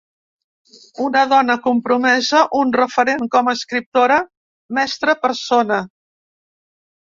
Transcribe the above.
Una dona compromesa, un referent com a escriptora, mestra, persona.